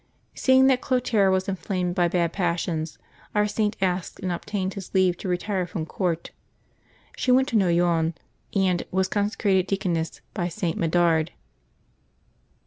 Seeing that Clotaire was inflamed by bad passions, our Saint asked and obtained his leave to retire from court. She w€nt to Noyon, and was consecrated deaconess by St. Medard.